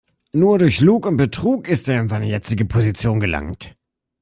Nur durch Lug und Betrug ist er in seine jetzige Position gelangt.